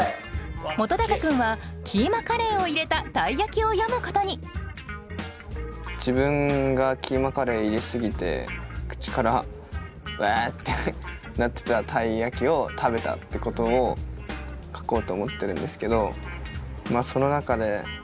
本君はキーマカレーを入れたたい焼きを詠むことに自分がキーマカレー入れすぎて口からうえってなってたたい焼きを食べたってことを書こうと思ってるんですけど。